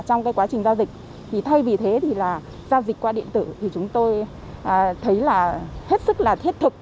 trong cái quá trình giao dịch thì thay vì thế thì là giao dịch qua điện tử thì chúng tôi thấy là hết sức là thiết thực